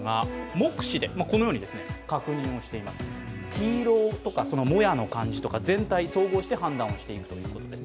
黄色とか、もやの感じ、全体、総合して判断していくそうです。